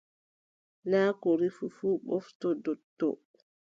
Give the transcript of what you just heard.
Naa ko rufi fuu ɓoftodottoo.